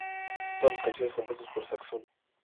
Todas las canciones compuestas por Saxon.